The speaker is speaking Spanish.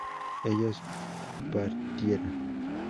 ellos partieran